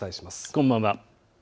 こんばんは。